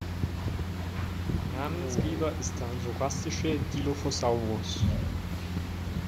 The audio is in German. Namensgeber ist der jurassische "Dilophosaurus".